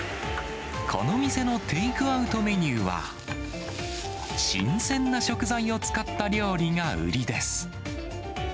この店のテイクアウトメニューは、新鮮な食材を使った料理が売りです。